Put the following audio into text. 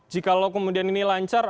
jika lo kemudian ini lancar